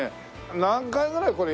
何回ぐらいこれやるの？